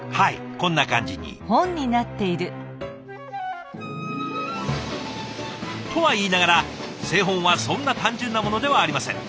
こんな感じに。とはいいながら製本はそんな単純なものではありません。